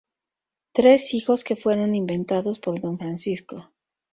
Tres hijos que fueron inventados por Don Francisco.